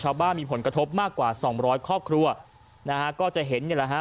ชาวบ้านมีผลกระทบมากกว่าสองร้อยครอบครัวนะฮะก็จะเห็นเนี่ยแหละฮะ